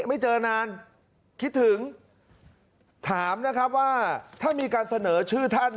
ไม่เจอนานคิดถึงถามนะครับว่าถ้ามีการเสนอชื่อท่าน